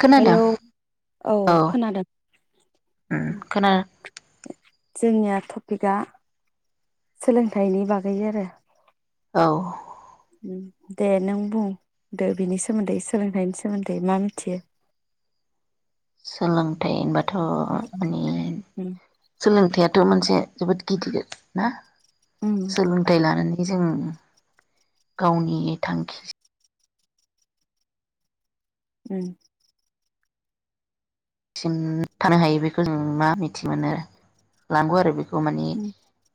खोनादों हेलौ औ खोनादों उम खोना जोंनिया टपिकआ सोलोंथाइनि बागै आरो । औ दे नों बुंदो बिनि सोमोन्दै सोलोंथाइनि सोमोन्दै मा मिथियो? सोलोंथाइ होनबा थ' माने उम सोलोंथाइ थ' मोनसे जोबोद गिदिर ना? उम सोलोंथाइ लानो जों गावनि थांखि उम सिम थानो हायो [unintelligible] बेखौ जों मा मिथि मोनो आरो लांगौ आरो बेखौ खौ माने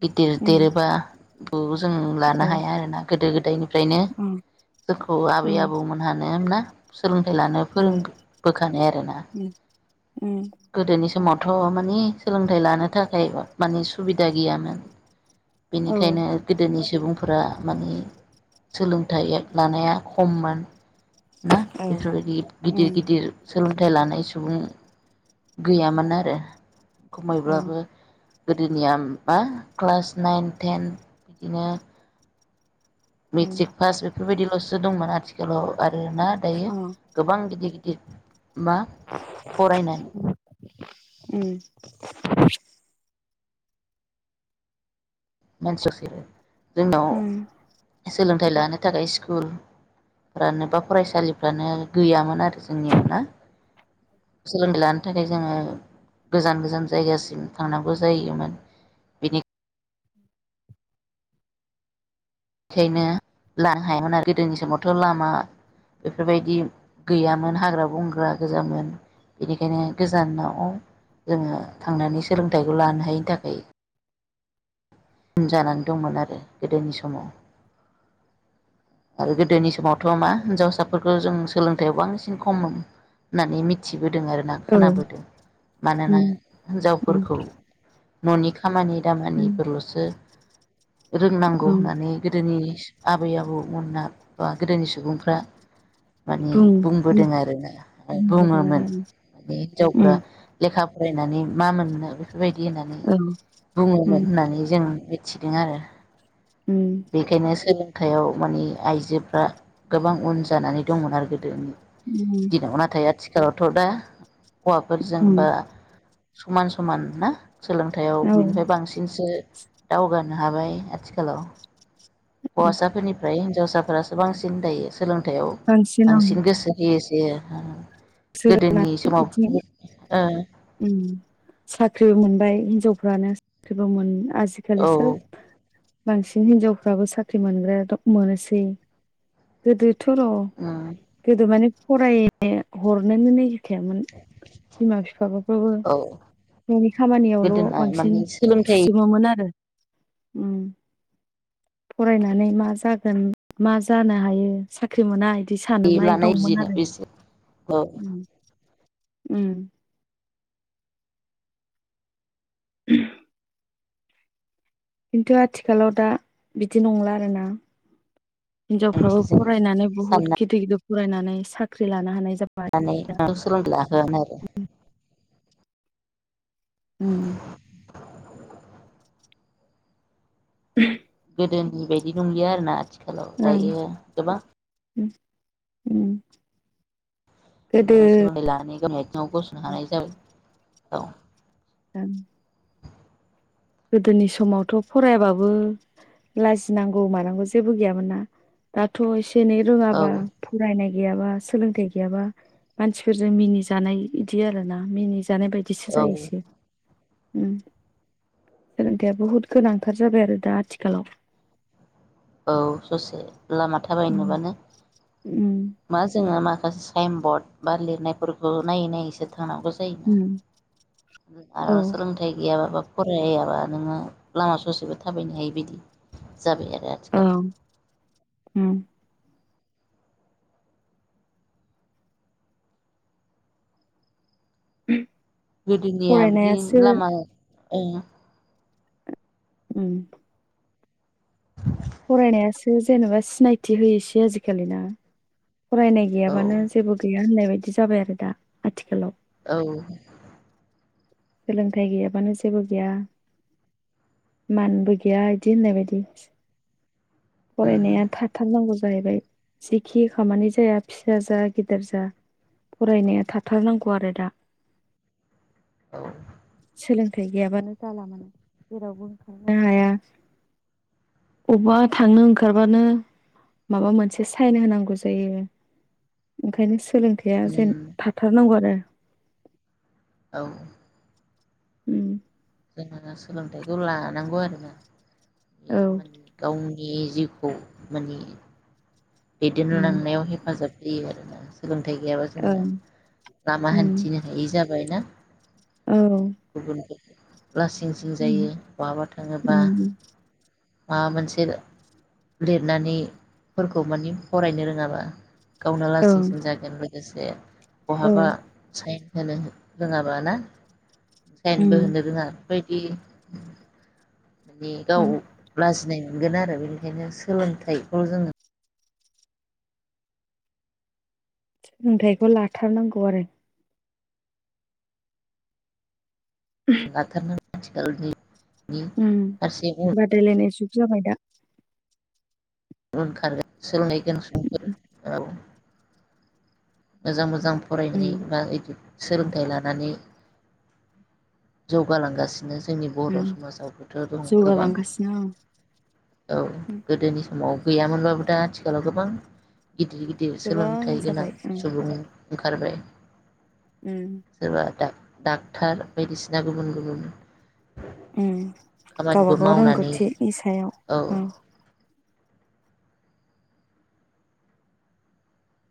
गिदिर देरदेरोबा [unintelligible] जों लानो औ हाया आरोना गोदो गोदायनिफ्रायनो उम जोंखौ आबै उम आबौमोनहानो ना? सोलोंथाइ लानो ओं फोरोंबोखानाय आरोना उम गोदोनि समाव थ' मानि सोलोंथाइ लानो थाखाय माने सुबिदा गैयामोन। औ बेनिखायनो गोदोनि सुबुंफोरा मानि सोलोंथाइ लानाया खममोन ना औ बेफोरबायदि गिदिर उम गिदिर सोलोंथाइ लानाय सुबुं गैयामोन आरो औ खमायब्लाबो गोदोनिया बा क्लास नाइन टेन बिदिनो उम मेट्रिक पास बेफोरबायदि । सो दंमोन आथिलाव आरो ना दायो अ गोबां गिदिर गिदिर [inaudible] बा फरायनानै उम। [inaudible] जोंनाव उम सोलों सोलोंथाइ लानो थाखाय स्कुलफ्रानो बा फरायसालिफ्रानो गैयामोन आरो जोंनिया ना सोलोंथाइ लानो थाखाय जोङो गोजान गोजान जायगासिम थांनांगौ जायोमोन बेनिखायनो बेखायनो लानो हायामोन आरो गोदोनि समावथ' लामा बेफोर बायदि गैयामोन हाग्रा बंग्रा गोजामोन बेनिखायनो गोजान'आव जोङो थांनानै सोलोंथाइखौ लानो हायिनि थाखाय उन जानानै दंमोन आरो गोदोनि समाव। आरो गोदोनि समावथ' मा हिनजावसाफोरखौ जों सोलोंथाइआव बांसिन खममोन होननानै मिथि बोदों आरोना औ खोनाबोदों मानोना उम उम हिन्जावफोरखौ न'नि खामानि उम दामानिफोरल'सो रोंनांगौ औ होननानै गोदोनि आबै आबौमोनहा बा गोदोनि सुबुंफ्रा माने बुं बुंबोदों आरोना बुंबोदों बुङोमोन आरो माने हिनजावफ्रा उम लेखा फरायनानै मा मोननो। बेफोर बायदि होननानै औ बुङोमोन उम होननानै जों मिथिदों आरो। उम बेखायनो सो थायाव माने आइजोफ्रा गोबां उन जानानै दंमोन आरो गोदो। उम दिनाव नाथाय आथि आथिखालावथ दा । हौवाफोरजों उम बा । समान समान ना। सोलोंथायाव औ बिनिफ्राय बांसिनसो दावगानो हाबाय आथिखालाव। औ हौवासाफोरनिफ्राय। हिजावसाफोरासो बांसिन दायो। सोलोंथाइयाव बांसिन गोसो होयो। [inaudible] [inaudible] ओ साख्रिबो मोनबाय हिनजावफ्रानो साख्रिबो आजिखालि औ सोब बांसिन हिनजावफ्राबो साख्रि मोनग्रा मोनोसै गोदो थ'र' उम गोदो माने फरायनो हरनोनो ना मिथियामोन बिमा फिफाफ्राबो औ न'नि खामानियावल' गोदोना बांसिन माने सोलोंथाइ थुसोमोमोन आरो। उम फरायनानै मा जागोन मा जानो हायो साख्रि मोना बिदि बे साननाय लानाय दंमोन जिनो आरो बेस औ उम उम [inaudible] खिन्थु आथिखालाव दा बिदि नंला आरोना। हिनजावफ्राबो ओंथिजों फरायनानै बहुत साननानै गिदिर गि फरायनानै साख्रि लानो हानाय जाबाय। माने लागोन आरो। उम। गोदोनि बायदि नंलिया आरोना आथिखालाव दायो गोबां उ उम। गोदो सोलोंथाइ लानानै गावनाय आइथेङाव गसंनो हानाय जाबाय। औ द गोदोनि समावथ' फरायाबाबो लाजिनांगौ मानांगौ जेबो गैयामोन ना दाथ' एसे दिेनै औ रोङाबा फरायनाय गैयाबा सोलोंथाय गैयाबा मानसिफोरजों मिनि जानाय इदि आरोना मिनि जानाय बायदिसो औ जायोसो। उम सोलोंथाया बहुत गोनांथार जाबाय आरो दा आथिखालाव। औ ससे। लामा थाबाय उम नुबानो उम मा जोङो मा साइन बर्ड बा लिरनायफोरखौ नायै नायैसो थां थानांगौ जायोना उम औ आरो सोलोंथाइ गैयाबाबो फरायाबा नोङो लामा ससेबो थाबायनो हायि बाइदि जाबाय आरो। औ आथिखाल उम। [inaudible] गोदोनिया बिदि फरायनायासो लामा ए उ फरायनायासो जेनेबा सिनायथि होयोसै आजिखालि ना फरायनाय औ गैयाबानो जेबो गैया होननाय बायदि जाबाय आरो दा आथिखालाव औ सोलोंथाइ गैयाबानो जेबो गैया मानबो गैया बिदि होननाय बायदि उम फरायनाया थाथारनांगौ जाय जाहैबाय जिखि खामानि जाया फिसा जा गिदेर जा फरायनाया थाथारनांगौ आरो दा सोलों थाइ गैयाबानो जाला माने जेरावबो ओंखारनो हाया अबबा थांनो ओंखारबानो माबा मोनसे साइन होनांगौ जायो ओंखायनो सो लोंथाइया जेन उम थाथारनांगौ आरो औ उम जोङो सोलोंथाइखौ लानांगौ आरोना बे औ माने गावनि बे जिउखौ माने दैदेन उम लांनायाव हेफाजाब होयो आरो सोलों थाइ गैयाबा जोङो ओं लामा उम हान्थिनो हायि जाबाय ना? गुबुनफोर औ लासिं सिं जायो उम बहाबा थाङोबा उम माबा मोनसे लिरनानैफोरखौ माने फरायनो रोङाबा गावनो औ लासिंसिन जागोन [unintelligible] औ बहाबा साइन होनो रोङा बा ना उम बो होनो रोङा बायदि माने ओं गाव लाजिनाय मोनगोन आरो बेनिखायनो सोलोंथाइखौ जोङो सोलोंथाइखौ लाथारनांगौ आरो लाथार नांगौ आथिखाल उम बादायलायनाय जुग जाबाय दा ओं खारगोन सोलोंनाय गोनां सुबुंफोर उम मोजां मोजां फरायहोनायफ्रा इदि सोलोंथाइ लानानै जौगालांगासिनो जोंनि बर' उम समाजावबोथ' दं गोबां जौगालांगासिनो ओं औ उम गोदोनि समाव गैयामोनब्लाबो दा आथिखालाव गोबां गिदिर गिदिर सोलोंथाइ गोबां गोनां जाबाय उम सुबुं ओंखारबाय उम जोंहादा डाक्टार बायदिसिना गुबुन गुबुन उ खामानिबो गावबा गाव मावनानै रोंगौथिनि सायाव औ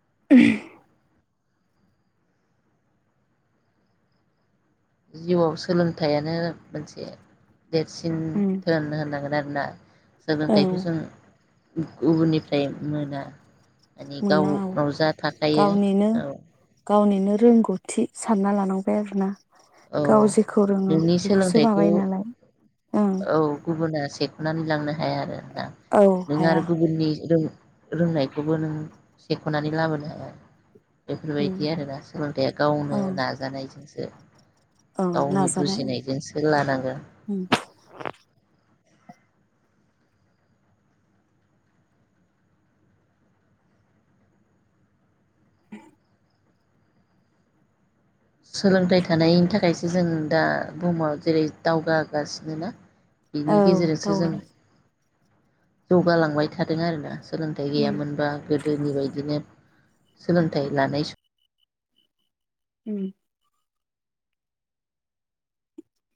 [unintelligible] जिउआव सोलोंथाइयानो मोनसे देरसिन उम धोन होननांगोन आरो ना औ सोलोंथाइखौ जों गुबुननिफ्राय मोना माने गाव मोना औ गाव जा थाखायो औ बिदिनो रोंगौथि सानना लानांबाय आरोना औ गाव जेखौ रोङो नोंनि बेखौसो सोलोंथाइखौ माबायो नालाय ओं देखोनानै लांनो हाया आरो ना औ नों हाया आरो गुबुननि रों रोंनायखौबो नों सेख'नानै लाबोनो हाया उम बेफोरबायदि आरोना सोलोंथाइया गावनो ओं नाजानायजोंसो ओं गावनि नाजानाय बुजिनायजोंसो लानांगोन ओं सोलोंथाइ थानायनि थाखायसो जों दा बुहुमाव जेरै दावगा गासिनो ना बिनि औ गेजेरजोंसो थाव जों जौगालांबाय थादों आरोना सोलोंथाइ उम गैयामोनबा गोदोनि बायदिनो सोलोंथाइ लानाय सम उम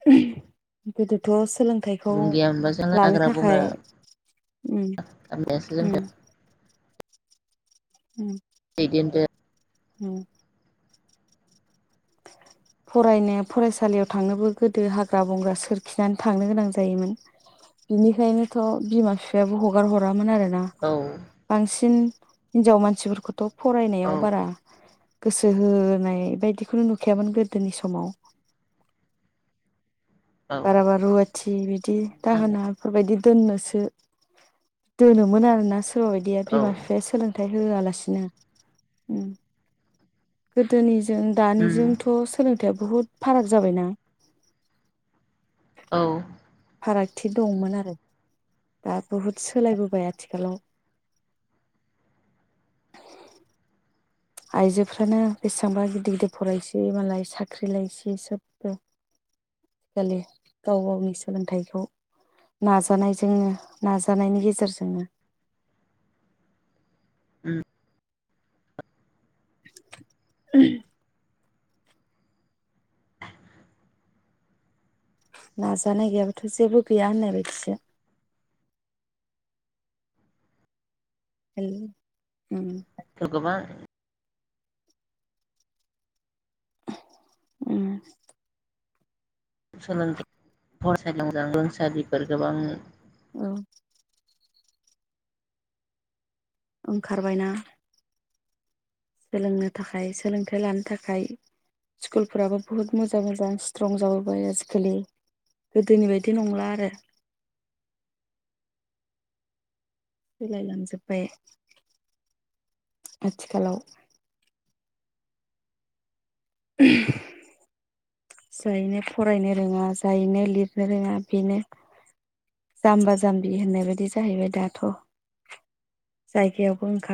[unintelligible] गोदोथ' स सोलोंथाइखौ सुबुं गैयामोनबा जों लानो हाग्रा बंग्रा थाखाय गामियासो जोंखौ उम दैदेनदो उम फरायनो फरायसालियाव थांनोबो गोदो हाग्रा बंग्रा सोरखिनानै थांनो गोनां जायोमोन बिनिखायनोथ' बिमा बिफायाबो हगार हरामोन आरो दैदेनदो बांसिन हिनजाव मानसिफोरखौथ' फरायनायाव बारा औ गोसो होनाय बायदिखौनो नु खायामोन गोदोनि समाव औ बाराबा रुवाथि बिदि औ दाहोनाफोरबायदि दोननोस दोनोमोन आरोना सोरबा बायदिया औ बिमा बिफाया सोलों थाइ होआलासिनो गोदोनि जों उम दानिजोंथ' सोलों खोथाया बुहुत फाराग जाबायना औ फारागथि दंमोन आरो दा बुहुद सोलायबोबाय आथिखालाव आइजोफ्रानो बेसेबांबा गिदिर गिदिर फरायसै मालाय साख्रि लायसै सोबबो आजिखालि गाव गावनि सोलोंथाइखौ नाजानायजों नाजानायनि गेजेरजोंनो उम [unintelligible] [unintelligible] नाजानाय गैयाबाथ' जेबो गैया होननाय बायदिसो उम उम थ गोबां उम सोलोंथाइ [unintelligible] गोबां औ ओंखारबायना सोलोंनो थाखाय सोलोंथाइ लानो थाखाय स्कुलफ्राबो बुहुत मोजां मोजां स्ट्रं जाबोबाय आजिखालि गोदोनि बायदि नंला आरो सोलायलांजोब्बाय आथिखालाव जायनो फरायनो रोङा जायनो लिरनो रोङा बेनो जाम्बा जाम्बि होननाय बायदि जाहैबाय दाथ' जायगायावबो ओंखार